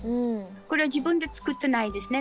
これは自分で作ってないですね。